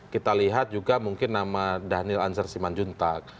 kita lihat juga mungkin nama daniel ansar siman juntag